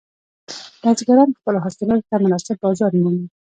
بزګران خپلو حاصلاتو ته مناسب بازار مومي.